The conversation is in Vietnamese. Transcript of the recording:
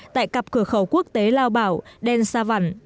tại cặp cửa khẩu quốc tế lao bảo đen sa văn